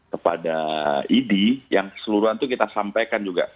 kepada idi yang keseluruhan itu kita sampaikan juga